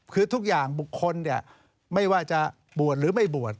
คือทุกอย่างบุคคลไม่ว่าจะบวชหรือไม่บวช